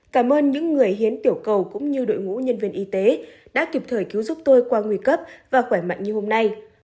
cảm ơn những người hiến tiểu cầu cũng như đội ngũ nhân viên y tế đã kịp thời cứu giúp tôi qua nguy cấp và khỏe mạnh như hôm nay